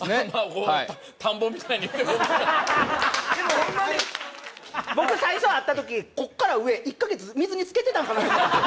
ホンマに僕最初会った時ここから上１カ月水につけてたんかなと思ったんですよ